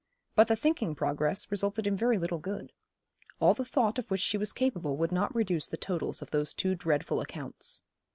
But the thinking progress resulted in very little good. All the thought of which she was capable would not reduce the totals of those two dreadful accounts.